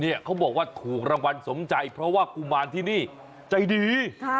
เขาบอกว่าถูกรางวัลสมใจเพราะว่ากุมารที่นี่ใจดี